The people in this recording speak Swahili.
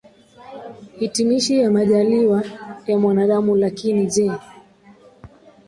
hitimishi ya majaaliwa ya mwanadamu Lakini je